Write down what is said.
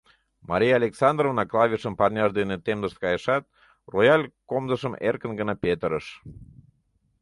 Мария Александровна клавишым парняж дене темдышт кайышат, рояль комдышым эркын гына петырыш.